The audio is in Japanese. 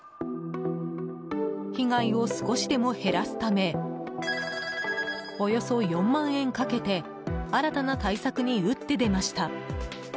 被害を少しでも減らすためおよそ４万円かけて新たな対策に打って出ました。